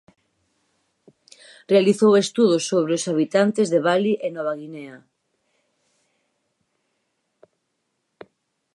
Realizou estudos sobre os habitantes de Bali e Nova Guinea.